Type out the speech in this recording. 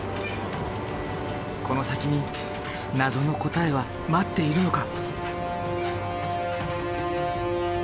この先に謎の答えは待っているのか？